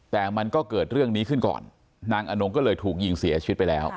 แต่มันก็เกิดเรื่องนี้ขึ้นก่อนนางอนงก็เลยถูกยิงเสียชีวิตไปแล้ว